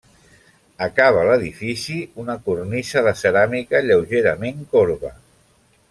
Acaba l'edifici una cornisa de ceràmica lleugerament corba.